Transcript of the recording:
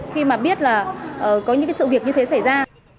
nhất là có những sự việc như thế xảy ra